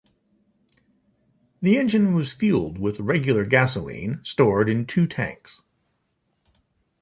The engine was fueled with regular gasoline stored in two tanks.